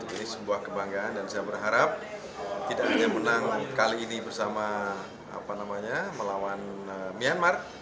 ini sebuah kebanggaan dan saya berharap tidak hanya menang kali ini bersama melawan myanmar